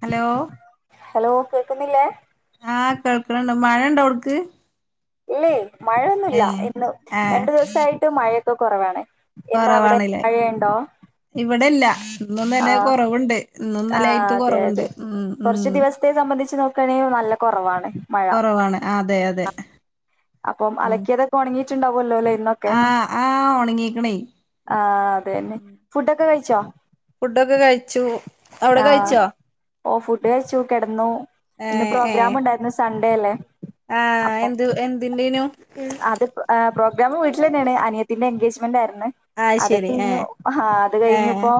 Hello hello കേക്കുന്നില്ലേ ആഹ കേൾക്കണണ്ട് മഴ ഇണ്ടോ അവിടക്ക് ഇലേയ് മഴയൊന്നുമല്ല ഇന്ന് രണ്ടു ദിവസായിട്ട് മഴ ഇ കുറവാണ് എന്താ അവിടെ കുറവാണല്ലേ മഴയുണ്ടോ ഇവിടെല്ല ആ ഇന്നൊന്ന്ന്നെ കുറവുണ്ട് ആ അതെ അതെ കൊറച്ച്ു ദിവസത്തെ സംബന്ധിച്ച് നോക്ക കണിയ നല്ല കുറവാണ് മഴ കൊറവാണ് അതെ അതെ അപ്പം അലക്കിയതൊക്കെ ഉണങ്ങി ഉണ്ട [unintelligible] ആഹ ആഹ ഉണങ്ങിക്കണേ ആ അത് തന്നെ ഫുഡൊക്കെ കഴിച്ചോ ഫുഡൊക്കെ കഴിച്ചു അവിടെ ആ കഴിച്ചോ ഓ ഫുഡ് കെച്ചു കിടന്നു ഇന്ന് പ്രോഗ്രാം ഉണ്ടായിരുന്നു സൺഡേ അല്ലേ ആഹ അപ്പം എന്ത് എന്ന്ന്റെേനു അത് പ്രോഗ്രമും വീട്ടിൽ തന്നെയാണ് അനിയത്തിന്റെ [unintelligible] എജ്മന്ററ് ആഹ് അത് ശരി കഴിഞ്ഞു ഏഹ് ആ അത് ഏഹ് കഴിഞ്ഞപ്പോൊ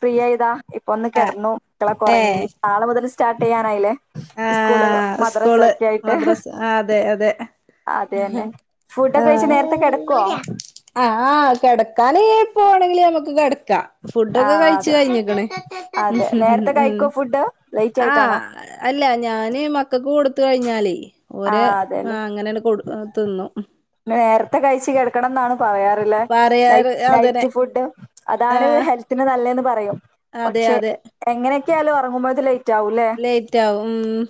ഫ്രീ ആയതാ ഇപ്പൊ ഒന്ന് കിടന്നുക്കള ഉറങ്ങി നളെ മുത സ്റ്റാർ് ചെയ്യാനായില്ലേ സ്കൂള് ആഹ മദ്രസ സ്കൂള് ഒക്കെ ആയിട്ട് മദ്രാസ് ആ അതെ അതെ അത് തന്നെ ഫുഡൊക്കെ കഴിച്ച് ആഹ നേരത്തെ കിടക്കുവോ ആഹ കിടക്കൻ പോണെങ്കിൽ നമുക്ക് കി ആ ഫുഡൊക്കെ കഴിച്ചു അതെ കഴിഞ്ഞിക്കണേ അതെ നേരത്തെ ഉ കഴിക്കോ ഫുഡ് ലേറ്റ് ആ ആയിട്ടാണോ ഞാന് മക്കക്ക് കൊടുത്ത കഴിഞ്ഞാലേ ഓര ആ അങ്ങനെല്ല കൊടു തിന്നു പിന്ന നേരത്തെ കഴിച്ചച്ച് കേടക്കണം എന്നാണ് പറയാറില്ല നൈ പറയാറ് അതന്നെ നൈറ്റ് ഫുഡ് അതാണ് ആഹ് ഹെൽത്തിന് നല്ലന്ന് പറയും അതെ പക്ഷെ അതെ എങ്ങനെ കോലോറങ്ങുമോ ഇതിലേ ലേറ്റ് ആവുംും ഉ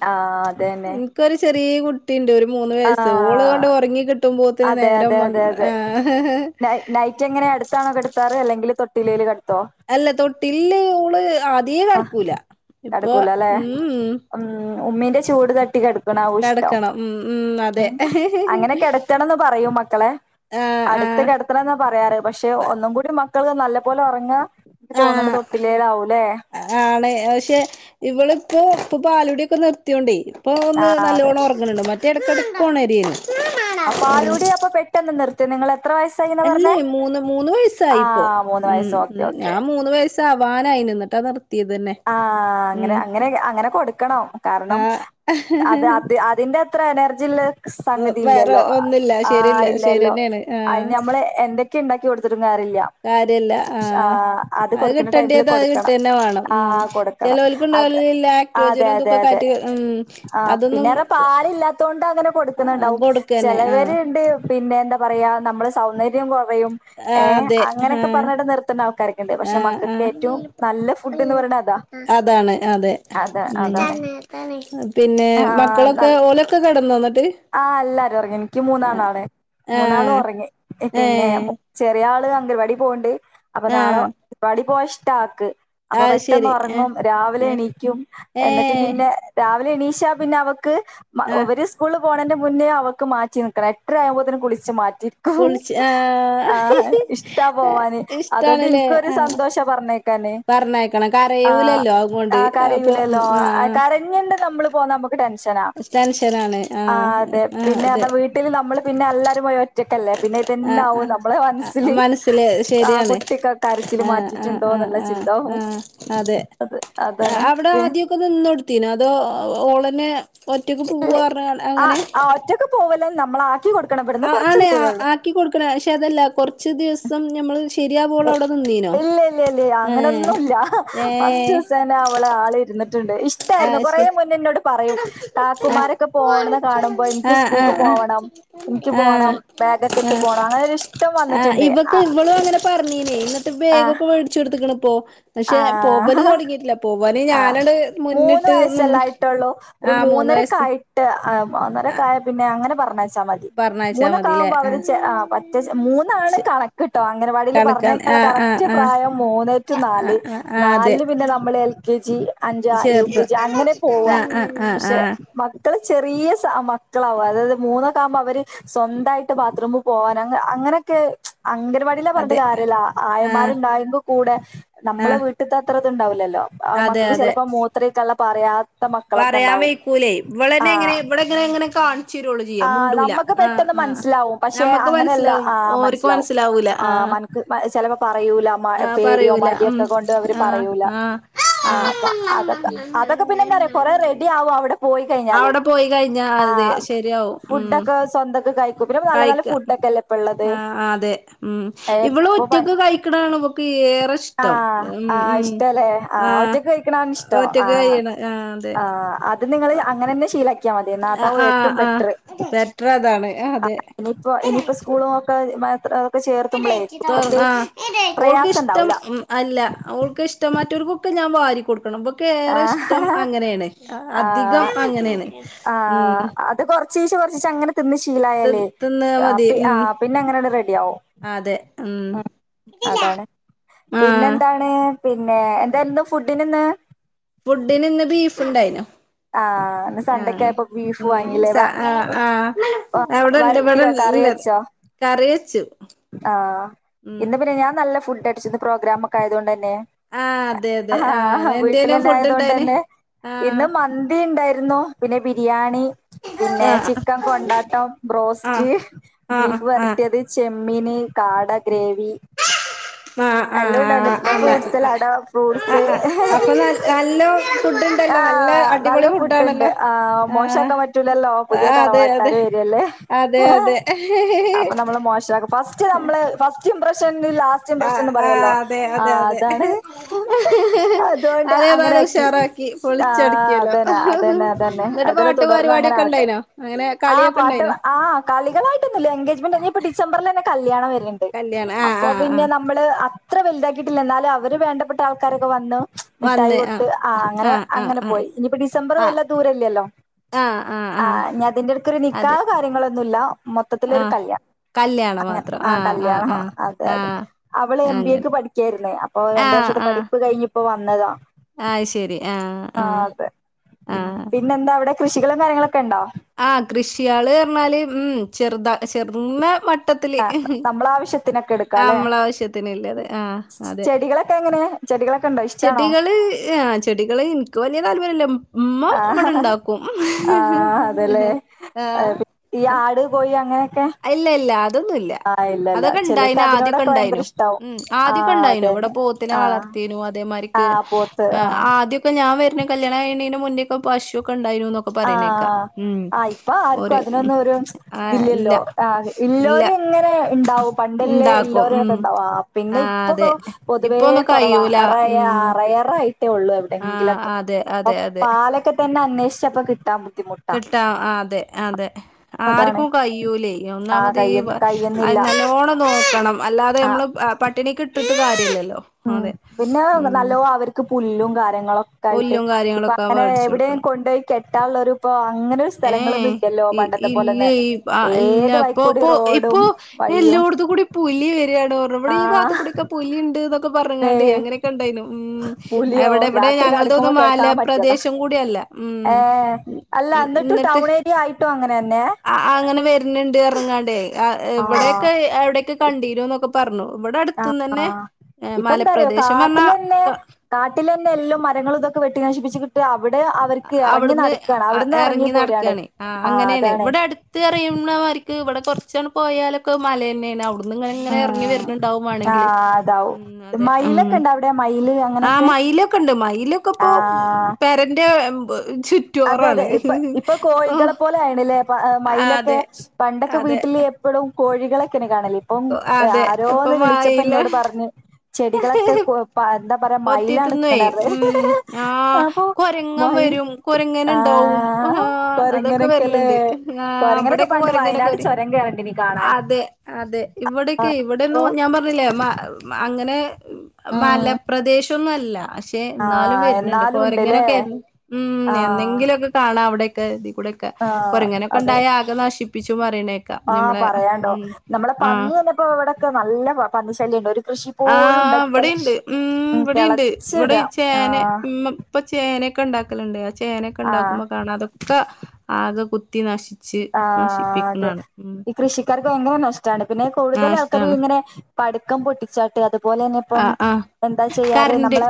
എനിക്കൊരു ചെറിയ കു തീണ്ട ഒരു മൂന്ന് ആ വയസ്സ് ഓള് ങ്ങട്ട് ഒറങ്ങി കിട്ടുമ്പോത്തിന് അതെ നേരം അതെ അതെ പന്ത്ര അതെ ആഹ് ന നൈറ്റ് എങ്ങനെ അടുത്താണോ കിടുത്താറ് അല്ലെങ്കിൽ തൊ ൽ ക അല്ല തൊട്ടില് ഓള് ആ ഇനി ആഹ് നടക്കൂല ഇപ്പൊ കിടക്കൂല അല്ലേ ഉം മമ് ഉം ഉമ്മീന്റെ ചൂട് തട്ടി കെട നാവ്ഷ്ടം കടക്കണം ഉം ഉം അതെ ആഹ് അങ്ങനെ കെടക്കണംന്ന് പറയും മക്കളെ അടുത്ത് ആഹ് കെടത്തണം എന്ന പറയാറ് പക്ഷെ ഒന്നും കൂടി മ മക്കൾ നല്ല അത്പോല ഒറങ്ങ എനിക്ക് തോന്നണ് തൊട്ടിലേലാവൂല്ലേ ആണ് പക്ഷെ ഇവള് ഇപ്പോ ഇപ്പ പാലുടിക്കെ നിർത്തിയോണ്ടേ. ഇപ്പോ ആ ഒന്ന് അതെ നല്ലോണം ഒറങ്ങണുണ്ട് മ ഇടക്കിടക്ക് ഒണരാര്ന്നു അപ്പൊ പാലൂടി അപ്പൊ പെട്ടെന്ന് നിർ ത്തി നിങ്ങളെ അല്ലേ മൂന്ന് മൂന്ന് ആ വയസ്സായിപ്പോ മൂന്ന് ഉം വയസ്സ് ഓക്കെ ഉം ഓക്കെ ഞാൻ മൂന്ന് വയസ്സ് ആവാനായിനു എന്നിട്ട നിർ ആഹ് അങ്ങനെ അങ്ങനെ അങ്ങനെ കൊടുക്കണം കാരണം ആഹ് അത് അത് അതിന്റെ എത്ര എനർജിള്ള് സംഗതി വേറെ ഇല്ലല്ലോ ഒന്നുല്ല ആഹ് ശരില്ല ഇല്ലല്ലോ ശരിയന്നെയാണ് ആഹ് അയിന ഞമ്മള് എന്തൊക്കെയണ്ടാ കൊടുത്തിട്ട് കാര്യല്ല ആഹ് അത് കിട്ടേണ്ടിയത് അത് കിട്ടന്നെ വേണം ഉം ആഹ് കൊടുക്കണം ചെലോൽക്ക്ണ്ടാവലില്ല അത്ആതെ ലാക്റ്റോജനും അതെ ഇതൊക്കെ അതെ കയറ്റി ഉം ആഹ് അതൊന്നും പിന്നാറയ പാലില്ലാത്തോണ്ട് അങ്ങനെ കൊടുക്കുന്ണ്ടാവും കൊടുക്കന്നെ ആഹ് ചെലവരുണ്ട് പിന്നെ എന്താ പറയാ നമ്മള് സൗന്ദര്യം കൊ റയും ആഹ് ഏഹ് അതെ അങ്ങനെക്കെ ആഹ് പറഞ്ഞിട്ട് നിർത്തുന്ന ആൾക്കാരൊക്കെണ്ട് പക്ഷേ ആഹ് മക്കക്ക് ആഹ് ഏറ്റവും നല്ല ഫു അതാണ് അതെ അത അതാണ് പിന്നെ ആ മക്കളൊക്കെ ഓലൊക്കെ കെട ഇന്ന് വന്ന ആഹ് എല്ലാരൊറങ്ങീന് ക്ക് മൂന്നാളാണ് ആഹ് മൂന്നാളുറങ്ങി പിന്നെ ഏഹ് ചെറിയ ആള് അംഗലവാടി പോണ്‌ണ്ട് അപ്പൊ നാളെ ആഹ് വാടി പോവാ ഇഷ് താക്ക് അപ്പൊ അത് ശരി ഏഹ് പെട്ടെന്നൊറങ്ങും രാവിലെ ഏഹ് എണീക്കും എന്നിട്ട് ഏഹ് പിന്നെ രാ എണീഷ പിന്നെ അവ ക്ക് മ ആഹ് ഒവിരിസ് ള് പോണേന്റെ മുന്നേ അവൾക്ക് മാറ്റി നിക്കണം എട്ടര ആകുമ്പോതെനും കുളിച്ച് മാ ക്കും കുളിച്ച് ആഹ് ഇഷ്ടാ പോവാന് അതുകൊണ്ട് ഇഷ്ടാണ്ല്ലേ ഇൻക്കും ഒരു ആഹ് സന്തോഷ പറഞ്ഞയക്കാന് പറഞ്ഞയക്കണം ആഹ് കരയൂലല്ലോ അതുകൊണ്ട് ആ അപ്പൊ ഉം കരയൂലല്ലോ ആഹ് കരഞ്ഞണ്ട് നമ്മള് പോന്നാ നമുക്ക് ടെൻഷനാ ആഹ് അതെ ആഹ് പിന്നാർന്ന വീട്ടിൽ നമ്മള് പിന്നെ അല്ല [unintelligible] അ ആഹ് മനസ്സില് ആ ശരിയാണ് കുട്ടിക്ക് കരച്ചില് ആഹ ആഹ് മാറ്റിയിട്ടുണ്ടോ അ എന്നുള്ള ആഹ് ചിന്താവും ആഹ അതെ അത് അതാണ് അവിടെ പി- ആദ്യക്കെ നിന്നൊടുത്തീന അതോ ഓളന്നെ ഒറ്റക്ക് പൂവറഞ്ഞ് അങ്ങനെ [unintelligible] നമ്മളാ ആഹ് ആണെ ആക്കി കൊടുക്കണ പക്ഷെ അതല്ല കൊറച്ച് ദിവസം നമ്മള് ഇല്ല ഇല്ല ഇല്ല ഏഹ് അങ്ങനൊന്നുല്ല ഫസ്റ്റ് ഏഹ് ദിവസേന്നെ അവളെ ആൾ ഇരുന്നിട്ട ണ്ട് ണ്ട് ഇഷ്ടയിരുന്നു ആഹ് കൊറെേ ശരി മുന്ന എന്നോട് പറയും കാക്കുമാരൊക്കെ പോണത് കാണുമ്പോ നിക്ക് ആഹ് സ്കൂക്ക് ആഹ് പോവണം നിക്ക് ആഹ് പോണം ആഹ് ബാഗൊക്കെ ആഹ് ഇട്ട് പോണം അങ്ങനെ ഇഷ്ടം വന്നിട്ടുണ്ട് ആ ല്ല ന്നിട്ട് ആഹ് ബേഗൊക്കെ മേടിച്ചോട്ത്ത് ക്ക്ണ് ഇപ്പോ പക്ഷേ ആഹ് പോമ്പല് തുടങ്ങിയിട്ടില്ല പോ ഓന് ആഹ് ഞാനട് മൂന്ന് വയസ്സല്ലായിട്ടുള്ളൂ ഒരു മൂന്ന് വയസ്സ് മൂന്നരക്കായിട്ട് അ ആഹ് മൂന്നരെക്കായാ പിന്നെ അങ്ങനെ പറഞ്ഞ ച്ച മതി പറഞ്ഞയച്ചാ മൂന്നൊക്കെ മതില്ലേ ആകുമ്പോ അവര് ആഹ് ചെ പറ്റെ ചെ മൂന്നാണ് കണക്ക്ട്ടോ അംഗനവാടിൽ കണക്കാണ് പറഞ്ഞേക്കാള്ള ആഹ് ആഹ് കറക്റ്റ് ആഹ് പ്രായം മൂന്നെറ്റു നാല് ആഹ് ആഹ് ആഹ് അതെ നാലില് പിന്നെ നമ്മള് ക ജി അഞ്ച യു ചേർത് കെ ജി അങ്ങനെ പോവാ ആഹ് ആഹ് ആഹ് പക്ഷെ ആഹ് മക്കള് ചെറിയ മക്കളാവും അതായത് മൂന്നോക്കകുമ്പോ അവര് സ്വന്തമായിട്ട് ബാത്റൂമിൽ പോകൻ അങ്ങനെയൊക്കെ അംഗൻവാടില്ലാ അതെ പറഞ്ഞട്ട് കാര്യല്ല ആഹ് ആയന്മാരുണ്ടായ്പ കൂടെ നമ്മളെ ആഹ് വീട്ടത്തെ അത്രത് ഉണ്ടാവില്ലല്ലോ ആ അതെ മക്കക്ക് അതെ ചിലപ്പോ മൂത്രക്കള്ള പറയാ പറയാൻ വക്കൂലേ ഇവന്നെ എങ്ങനെ ഇവിടെ എങ്ങനെ എങ്ങനെ കാ ആ് നമ്മുക്ക് പെട്ടെന്ന് മനസ്സിലാവും പക്ഷെ ഞമ്മക്ക് അങ്ങനെയല്ല മനസ്സിലാവും ആ ഓര്ക്ക് മനസ്സിലാവും മനസ്സിലാവൂല ആ് ആഹ് മനക്ക് ചിലപ്പോ പറയൂല ആ പേടിയോ പറയൂല മടിയ ഉം ഒക്കെ കൊണ്ട് അവര് ആ പറയൂല ആ ആ അ അതൊക്കെ അതൊക്കെ പിന്നെങ്ങ കു റെഡി ആവുംും അവിടെ അവിടെ പോയി കഴിഞ്ഞ അതെ ആഹ് ശരിയാവുംവും ഉ ഫുഡൊക്കെ സ്വന്തൊക്കെ കഴിക്കും പിന്നെ നല്ല നല്ല കഴിക്ക ഫുഡൊക്കെല്ലേ ഇപ്പള്ളത് ആ അതെ ഉ ഇവള ഒറ്റക്ക് കഴിക്കണാണ്ൊ ആഹ ആഹ് ഇഷ്ടല്ലേ ആ ആഹ ഒറ്റക്ക് കഴിക്കണന്ന് ഇഷ്ടോ ഒറ്റക്ക് ആഹ കഴിയണ അതെ ആ അത് നിങ്ങള് അങ്ങനെന്നെ ശീല ആ ആഹ് ആ പെറ്റ അതാണ് ആ അതെ ഇനിയിപ്പോ ഇനിയിപ്പോ സ്കൂളും ഒക്കെ മാത്ര ആ അവക്ക് പ്രയാസം ഇഷ്ടം ഇണ്ടാവൂല അല്ല അവക്ക് ഇഷ ൊമാറ്റ ഒരു കുക്ക് ഞാൻ വാരിക്ക കൊടുും ്പൊ ഏറെ ആഹ് ഇഷ്ടം അങ്ങനെയാണ് അധികം ആഹ് അങ്ങനെയാണ് ഉ ശീശ കുറച്ചി അനെ ശീലല്ലേ തിന്നാ മതി ഉം പിന്നെ അങ്ങന റെഡി ആവോ അതെ ഉം അതാണ് ആഹ് പിന്നെന്താണ് പിന്നെ എന്തായിരുന്നു ഫുഡിന നിന്ന് ഫുഡന് ഇന്ന് ബീഫ് ഉണ്ടായിനോ ആഹ് സണ്ടക്കായപ്പോ ബീഫ് ഉം വാങ്ങില്ലേ സ ആഹ് ആഹ് അവിടെണ്ട് ഇവിടെ വരട്ടിയോ കറി ഇല്ലത് വെച്ചോ കറി വെച്ചു ആഹ ഉം ഇന്ന് പിന്നെ ഞാൻ നല്ല ഫുഡ് അടിച്ചുന്ന പ്രോഗ്രാം ഒക്ക ആയത കൊണ്ട് ആഹ് അതെ അതെ ആഹ് എന്തേനു ഫുഡ് ഉണ്ടായിന് വീട്ടന്നതണ്ട്ന്നെ ഇ ആഹ് മന്തി ഉണ്ടായിരുന്നു പിന്നെ ബിരിയാണി പിന്നെ ആഹ് ചിക്കൻ കൊണ്ടാട്ടം ആഹ് ബോസ്റ്റ് ആഹ് ബീഫ് ആഹ് വരട്ടിയത് ചെ അമ്മിനന് കാട ഗ്രേവി ആ ആ എല്ലാം ഉണ്ടായിരുന്നു പിന്നെ ആ ഫ്രൂട്ട്സ് സലാഡ് ആ ആ അപ്പൊ ന നല്ലോ ആ് നല്ല ഫുഡ്ണ്ട് ആ് ആഹ് മോശമാക്കാൻ പറ്റൂലല്ലോ പുതിയ ആഹ് അതെ അതെ തറവാട്ടാരും വരിയല്ലേ അതെ അതെ അപ്പൊ നമ്മള് മോശമാക്കും ഫസ്റ്റ് നമ്മള് ഫസ്റ്റ് ഫസ്റ്റ് ഇമ്പ്രേഷൻ ലാസ്റ്റ് ടം ആഹ് പ്രശ്നംന്ന് ആഹ് പറയാല്ലോ അതെ ആ അതെ അതെ അതാണ് അതുകൊണ്ട് അങ്ങനെ അതേതായാലും ആക്കി ഉഷാറാക്കി ആ പൊളിച്ചടുക്കിയല്ലോ അതന്നെ അതെ തന്നെ അത തന്നെ എന്നിട്ട് അതെല്ലാം പാട്ട് തുടർന്ന് അങ്ങനെ പരിപാടിയൊക്കെ ആവട്ടെ ഉണ്ടായിനോ അങ്ങനെ ആ കളിയൊക്കെ പാട്ട് ഉണ്ടായിനോ ആ് കളികളായിട്ടന്ന എങ്കേജ്മെന്റ് ഡിസംബറ കല്യാണം വരുന്നേ ണ്ട് കല്യാണം ആഹ് അപ്പോ ആഹ് പിന്നെ ആഹ് നമ്മള് ഇത്ര വലുതാക്കിയിട്ടില്ല എന്നാലും അവര് വേണ്ടപ്പെട്ട ആൾക്കാരൊക്കെ വന്നു മിഠായി വന്ന് ആഹ് കൊടുത്തു ആ് അങ്ങനെ ആഹ് ആഹ് അങ്ങനെ പോയി ഇനിയിപ്പോ ഡിസംബർ ആഹ് ആഹ് വല്ല ദൂരല്ലേല്ലോ ആഹ് ആഹ് ആ ആഹ് അതിന്റെടുക്കൊരു അതെ നിക്കാഹ് കാര്യ ന്നൂല്ല മൊത്തത്തിലരു ആഹ് കല്യാണം കല്യാണം അങ്ങനെ മാത്രം ആ ആഹ് ആഹ് കല്യാണ ആഹ് അതെ അതെ ആഹ് അവള് എം ബി അങ്ങനെ എക്ക് പഠിക്കായിരുന്നേ അപ്പോൊ രണ്ട ആഹ് വർഷത്തെ ആഹ് പഠിപ്പ് കഴിഞ്ഞ ഇപ്പ വന്നതാ ആഹ് ശരി ആഹ് ആ ആഹ് അതെ പിന്നെന്താ അവിടെ കൃഷികളും കാര്യങ്ങളക്കെ ഉണ്ടോ ആഹ കൃഷിയള് പറഞ്ഞാല് ഉ ചെറുതാ ചെറുന്ന മ ആ നമ്മളെ ആവശ്യത്തിനൊക്കെ എടുക്കും ആ നമ്മള ആാവശ്യത്തിന്ല്ലത് ആഹ അതെ ചെടികളൊക്കെ എങ്ങനെ ചെടികളൊക്കെ ഉണ്ടോ ഇഷ്ടാണോ ചെടികള് ആ ചെടികള് എനിക്ക് വലിയതല്ല ലും ആ ആഹ അതല്ലേ ആഹ് ഈ ആട് കോയി അങ്ങനെ ഇല്ല ഇല്ല അതോന്നുല്ല ഇല്ലല്ല അതൊക്കെ ഉണ്ട ചിലർക്ക് ആദ്യൊക്കെ അതിനോടൊക്കെ ഉണ്ട ഭയങ്കര ഇഷ്ടാവും ഉ ആദ്യൊക്കെ ആഹ് ഉണ്ടായി ഇവിടെ അതന്നെ പോത്തിന ആഹ് വളർത്തിന അതേമാ ആഹ് പോത്ത് ആഹ് ആദ്യക്കെ ഞൻ കല്യാണകാഴീനീന്റെ മുന്നേക്കെ പാശുോക്കണ്ടയ്ൻ ണ്ടായിന്നൊക്കെ പറയുന്നേക്കാം ആഹ് ആഹ് ഇപ്പൊ ഉ ഒരു ആല്ല ആ എല്ലാവരും ഇങ്ങനെ ഉണ്ടാവും പണ്ടല്ലേ ഇണ്ടാക്കും ഉം എല്ലാവരുംക്കെ ഉണ്ടാവും പിന്നെ ആ ഇപ്പൊ അതെ പൊതുവേ ഇപ്പൊന്നും കുറവാ കയ്യൂല അററ ഉം ള്ളൂ ആ എവിടെങ്കിലൊക്കെ അതെ അ അതെ പാലൊക്കെ തന്നെ അന്വേഷ പ്പ കിട്ടാോ കിട്ടാം അതെ അതെ അതാണ് ആർക്കും കഴൂലേ ആഹ് ഒന്നാമത് ഈ കയ്യ കയ്യുന്നില്ല നല്ലോണം നോക്കണം അല്ലാതെ ആഹ് നമ്മള് പട്ടിണിക്ക്‌ ഇട്ട് കാര്യില്ലല്ലോ ഉം പിന്നെ നല്ലോ അവർക്ക് പുല്ലുങ്ക ങ്ങളൊക്കെ ആയിട്ട് പുല്ലും ഇപ്പ കാര്യങ്ങളൊക്കെ അങ്ങനെ എവിടെയും കൊണ്ട പോയി ക ട്ടരുപ്പ ഏഹ ഇല്ല പോലെന്നെ ഏത് എല്ല ഇപ്പൊ വൈക്കൂടി ഇപ്പൊ റോഡും ഇപ്പൊ വഴിയും എല്ലോടത്തും കൂടി പുലി വരിണ ഓ മ്മുടെ ആഹ് ഈാത്തക്കൂടി ഒക്കെൊിുണ്ട് ഏ പറഞ്ഞാണ്ട അങ്ങനെയൊക്കെ ഉണ്ടായിു ഉ പുലിയോ എവിടെ ഇവിടെ രാത്രി ഞങ്ങളുടെ കടക്കുമ്പോ ഒന്നും കേക്കാൻ പറ്റിയതാ മാലപ്രദേശം കൂട അല്ല ഉ ന്നിട്ട് ടൺ ഏരിയ ആയിട്ടോ അങ്ങനെ തന്നെ ആ അങ്ങനെ വര പിണ്ട് ഇറങ്ങാണ്ടെ എവിടെയൊക്കെ ആഹ് എവിടെയൊക്കെ കണ്ടീരമ എന്നൊക്കെ പറഞ്ഞു ഇവിടെ ആഹ് അടുത്തന്ന് തന്നെ ആഹ് ഏർ ഇപ്പ എന്താറിയോ മലപ്രദേശം പറഞ്ഞാ കാട്ടിലന്നെ കാട്ടിലന്നെ എല്ലും മരങ്ങളും ഇതൊക്കെ വെട്ടി നശിപ്പിച്ചിട്ട് അവിടെ അവർക്ക് എറങ്ങി അവിടുന്ന് നടക്കാണ് അവിടുന്ന് എറങ്ങി ഇറങ്ങി പോരാണ് നടക്കയാണ് ആ ആഹ് അങ്ങനെയാണ് അതാണ് ഇവിടെ അടുത്ത് എറിയുന്നമാർക്ക് ഇവിടെ കുറച്ചോണ് പോയാലൊക്കെ മല തന്നെയാണ് അവി ങ്ങനെ ഇറങ്ങി വണ്ടുണെങ്കിൽ ആഹ് അതാവും അതെ മയിലൊക്കെ ഇണ്ടോ അവിടെ മയില് ആ അങ്ങനെയൊക്കെ മയിലൊക്കെ ഉണ്ട് മ ലുക്കപ്പോ ആഹ് പേരൻ [unintelligible] അതെ അതെ ഇപ്പം ഇപ്പൊ കോഴികളെ പോലെ ആയിണില്ലേ ആ, മൈയിലൊക്കെ അതെ പണ്ടൊക്കെ അതെ വീട്ടിൽ എപ്പളും കോഴികളെക്കെനെ കാണല്ല ഇപ്പം ഓ, അതെ ഇപ്പൊ ആരോന്ന് വിളിച്ചപ്പ മയില് എന്നോട് പറഞ്ഞ് ചെടികളൊക്കെ [unintelligible] മയിലാണ് കൊത്തിത്തിന്നുവെ തിന്നണത് ഉം ആ അപ്പൊ കൊരങ്ങൻ മയിൽ വരും കൊര അങ്ങനണ്ടാവും ആഹ് അതൊക്കെ കൊരങ്ങനൊക്കെല്ലേ വരലിണ്ട് ആ കൊരങ്ങനൊക്കെ അവിടെക്കെ പണ്ട് കൊരങ്ങനക്കെ വയനാട് ഒരു ചുരം കേറണ്ടിനി കാണാന് അതെ അതെ ഇവിടക്കെ ഇവിടെന്ന ഇപ്പൊ ഞാൻ പറഞ്ഞില്ലേ അങ്ങനെ ആ പ്രദേശൊന്നും അല്ല പക്ഷേ എന്നാലും വരുന്നുണ്ട് എന്നാലും ഉണ്ട്ല്ലേ കൊരങ്ങനൊക്കെ ഉം ആഹ് എന്നെങ്കിലൊക്കെ കാണാം അവിടെ [unintelligible] ഇവിടെക്കെ കുരങ്ങനൊക്കെണ്ടായ ആകെ നശിപ്പ [unintelligible] ആ പറയാണ്ടോ നമ്മെടെ ആഹ് പന്നി വന്നെപ്പോ ഇവിടെ നല്ല പന്നി ശല്യണ്ട് ഒരു കൃഷി ആ പോലും ഉണ്ടാക്കിട്ടല്ല ഇവിടെണ്ട് ഉം ഇവിടെണ്ട് കെളച്ചിട ഇവിടെ ചേന ആഹ് ഉം ഇപ്പം ചേനൊക്കെ ഇണ്ടാക്കലണ്ട് ചേനയൊക്കെ ആഹ് ഇണ്ടാക്കുമ്പോ കാണാം അതൊക്കെ ആകെ കുത് ത്തി നശി ആ അതെ ഈ കൃഷിക്കാർക്ക് ഭയങ്കര നഷ്ടമാണ് പിന്നെ കൂടുതൽ ആൾക്കര് നാഷ്ടാണ് ഇങ്ങനെ പടക്കം പൊട്ടിച്ചാട്ടെ അത് അതുപോലെ തന്നെ ഇപ്പം ആഹ് ആഹ് എന്താ ചെയ്യാറ് കറണ്ട് നമ്മളെ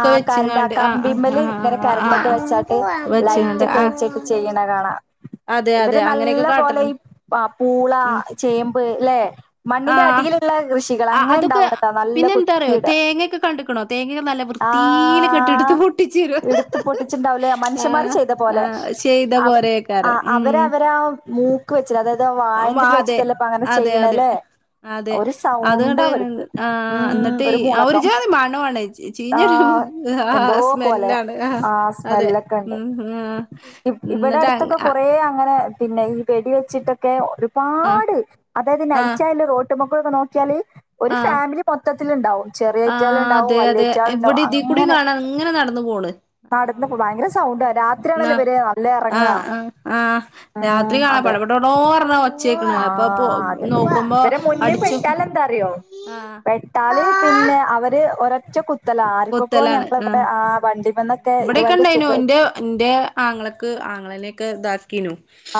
ആ കറണ്ട് ആ വെച്ച്ങ്ങാണ്ട് ആഹ് കമ്പിമ്മേല് ആഹ് ഇങ്ങനെ ആഹ് കരണ്ട് ആഹ് ഒക്കെ വെച്ചാട്ട് ആഹ് ലൈറ്റ് വെച്ച്ങ്ങാണ്ട് ഒക്കെ ആഹ് വെച്ചിട്ട് ചെയ്യണ കാണാം അതെ ഒരു അതെ നല്ല അങ്ങനെയൊക്കെ പോലെ ഈ കാട്ടല്ണ്ട് ആ പൂള ഉം ചേമ്പ് അല്ലെ മണ്ണിന്റെ അടിലുള്ള ആ അതൊക്കെ പിന്നെ എന്താ പറയോ തേങ്ങൊക്കെ കണ്ടക്കണോ തേങ്ങയൊക്കെ നല്ല വൃത്തിൽ കട്ടെടുത്ത് ആഹ് പൊട്ടിച്ചുരും എടുത്ത് പൊട്ടിച്ചിണ്ടാവൂലേ മനുഷ്യന്മാര് ചെയ്ത ആ ചെയ്ത പോലെയൊക്കൊരോ അവരവരാ മൂക്ക് വെച്ചിട്ട് അതായത് വായന്റെത് അതെ വെച്ചിട്ടല്ലേ ഇപ്പ അങ്ങനെ അതെ അതെ ചെയ്യണല്ലേ അതെ ഒരു അതൊണ്ട് സൗണ്ടാ അവർക്ക് ആ ഉം എന്നിട്ട് ഒരു മൂളക്കം ജാതി മണം ആണ് ചീഞ്ഞൊരു ആഹ് ആ എന്തോ പോലെ സ്മെല്ലാണ് ആ ആഹ് അതെ സ്മെല്ലൊക്കെ ഉണ്ട് ഉം ഇവിടെ എന്നിട്ട് അടുത്തൊക്കെ കൊറേ അങ്ങനെ പിന്നെ ഈ വെടി വെച്ചിട്ടൊക്കെ ഒരു പാട് അതായത് ആഹ് നൈച്ചല്ല റോഡ് നമ്മക്ക് ഒന്ന് നോക്കിയാല് ഒരു ആഹ് ഫാമിലി മൊത്തം ത്തിലുണ്ടാവും ആ ചെറിയച്ചാൾ ഉണ്ടാവും അതെ അതെ വലിയറ്റാൾ ഉണ്ടാവും ഇവിടെ ഇതി കൂടി അങ്ങനെ കാണാം ഇങ്ങനെ നടന്നു പോണ് ആ നടത്തുന്നപ്പോ ഭയങ്കര സൗണ്ട് ഉം ന്നാ രാത്രിയാണല്ലേ വര നല്ല ആ ഇറങ്ങാ ആ ആ രാത്രി കാണാപ്പട പട്ടോടോ ആ അത ഇവരെ മുന്നേ അടിച്ചു പെട്ടാൽ എന്താ അറിയോ ആ പെട്ടാല് പിന്നെ അവര് ഒ ച കു കൊത്തലാണ് ആ വണ്ടിമന്നൊക്കെ ഇവിടെൊക്കെ ഇതുവരെക്കും ഉണ്ടായിനു സുഖ എന്റെ എന്റെ ആങ്ങളക്ക് ആങ്ങളക്കെ ാ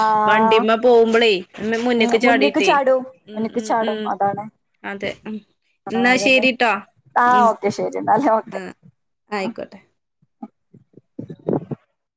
ആഹ് വണ്ടിമ്മ പോകുമ്പോളേ അ ഉം മുന്നേക്ക് മുന്ന്ക്ക് ചാടിട്ടേ ചാടും ഉ മുന്ന്ക്ക് ഉ ഉ ചാടും അതാണ് അതെ ഉ ആഹ് എന്നാ അതന്നെ ശെരിട്ടാ ആഹ് ഉ ഓക്കെ ശരി എന്നാല് ഓക്കെ ആഹ ആയിക്കോട്ടെ